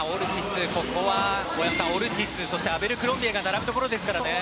大山さん、ここはオルティスとそしてアベルクロンビエが並ぶところですからね。